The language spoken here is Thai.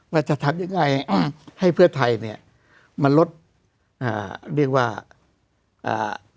ว่าจะทำยังไงอ่าให้เพื่อไทยเนี้ยมาลดอ่าเรียกว่าอ่า